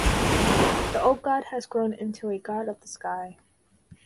The oak-god had grown into a god of the sky.